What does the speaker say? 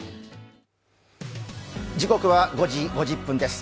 時刻は５時５０分です。